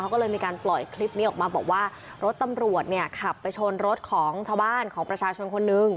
ก็เลยมีการปล่อยคลิปนี้ออกมาบอกว่ารถตำรวจเนี่ยขับไปชนรถของชาวบ้านของประชาชนคนนึง